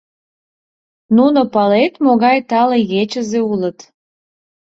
Нуно, палет, могай тале ечызе улыт?